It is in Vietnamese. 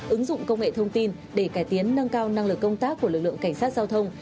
ứng dụng công nghệ thông tin để cải tiến nâng cao năng lực công tác của lực lượng cảnh sát giao thông